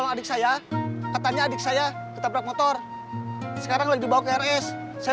adik saya katanya adik saya ketabrak motor sekarang lebih bawa keres saya